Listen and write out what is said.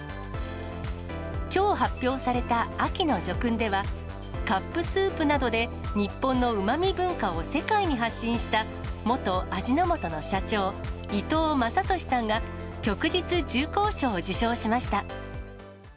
きょう発表された秋の叙勲では、カップスープなどで、日本のうまみ文化を世界に発信した、元味の素の社長、伊藤雅俊さんが、旭日重光章を受章しました。